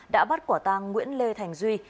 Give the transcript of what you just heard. đã bắt quả tang nguyễn lê thành duy